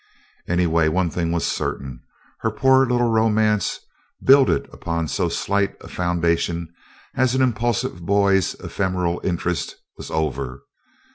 Anyway, one thing was certain; her poor little romance, builded upon so slight a foundation as an impulsive boy's ephemeral interest, was over.